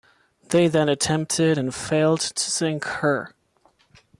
They then attempted and failed to sink her.